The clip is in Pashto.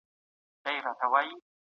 داسي نورو د قلمي کتابو د چاپ او د کتابتون د